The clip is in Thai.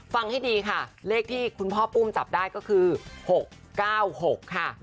ฟังให้ดีค่ะเลขที่คุณพ่อปุ้มจับได้ก็คือ๖๙๖ค่ะ